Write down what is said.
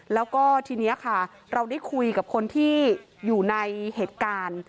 แล้วก็ทีนี้ค่ะเราได้คุยกับคนที่อยู่ในเหตุการณ์